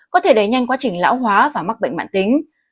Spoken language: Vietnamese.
có thể đẩy nhanh quá trình lão hóa và mắc bệnh mạng tính